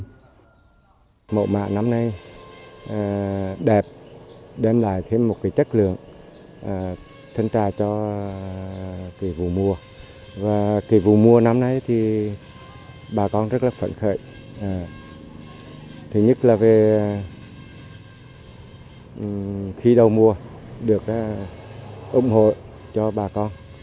phương thủy biêu có một trăm năm mươi hectare trồng thanh trà trong đó chín mươi năm diện tích cho thu hoạch